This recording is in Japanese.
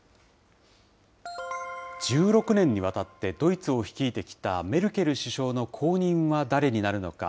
１６年にわたって、ドイツを率いてきたメルケル首相の後任は誰になるのか。